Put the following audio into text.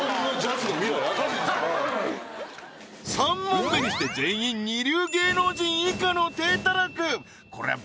３問目にして全員二流芸能人以下の体たらくこりゃ